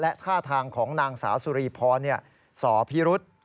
และท่าทางของนางสาวสุรีพรสพิรุษ